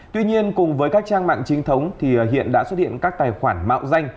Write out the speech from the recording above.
tuy nhiên cùng với các trang mạng trinh thống thì hiện đã xuất hiện các tài khoản mạo danh